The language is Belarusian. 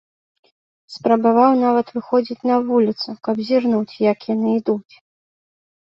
Спрабаваў нават выходзіць на вуліцу, каб зірнуць, як яны ідуць.